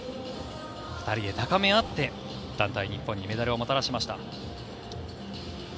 ２人で高め合って団体日本にメダルをもたらしました。